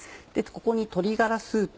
ここに鶏ガラスープ。